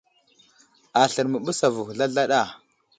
Aslər i məɓəs avuhw zlazlaɗa.